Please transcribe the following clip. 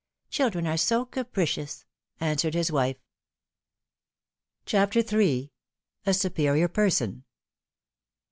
" Children are so capricious," answered his wife. CHAPTER in. A SUPERIOR PERSON.